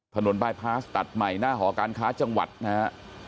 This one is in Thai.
บายพาสตัดใหม่หน้าหอการค้าจังหวัดนะฮะ